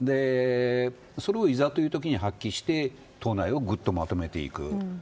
それをいざというときに発揮して党内をぐっとまとめていく。